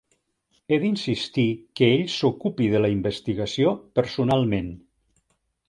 He d'insistir que ell s'ocupi de la investigació personalment.